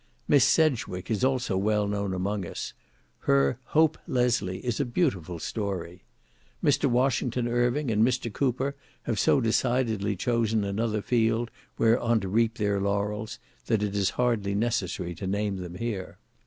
Miss Sedgwick is also well known among us; her "Hope Leslie" is a beautiful story. Mr. Washington Irving and Mr. Cooper have so decidedly chosen another field, whereon to reap their laurels, that it is hardly necessary to name them here.